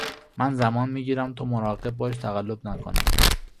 من زمان میگیرم تو مراقب باش تقلب نکنه